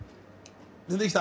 出てきた！